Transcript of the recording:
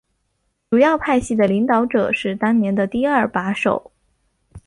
主要派系的领导者是当年的第二把手。